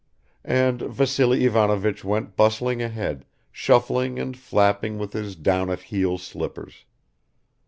And Vassily Ivanovich went bustling ahead, shuffling and flapping with his down at heel slippers.